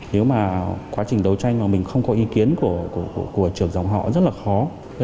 nếu mà quá trình đấu tranh mà mình không có ý kiến của trưởng dòng họ rất là khó